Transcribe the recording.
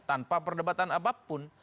tanpa perdebatan apapun